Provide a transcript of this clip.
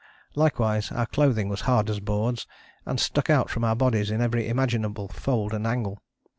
Likewise our clothing was hard as boards and stuck out from our bodies in every imaginable fold and angle.